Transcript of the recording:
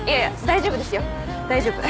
大丈夫ですよ大丈夫。